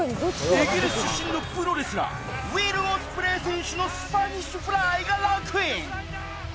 イギリス出身のプロレスラーウィル・オスプレイ選手のスパニッシュフライがランクイン